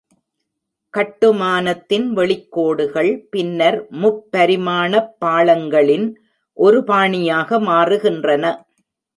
கட்டுமானத்தின் வெளிக்கோடுகள் பின்னர் முப்பரிமாணப் பாளங்களின் ஒரு பாணியாக மாறுகின்றன.